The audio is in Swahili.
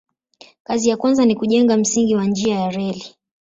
Kazi ya kwanza ni kujenga msingi wa njia ya reli.